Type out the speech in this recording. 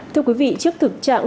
thưa quý vị trước thực trạng